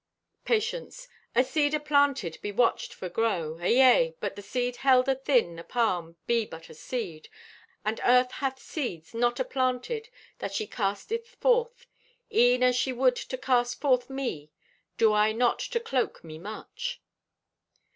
Patience.—"A seed aplanted be watched for grow. Ayea, but the seed held athin the palm be but a seed, and Earth hath seeds not aplanted that she casteth forth, e'en as she would to cast forth me, do I not to cloak me much."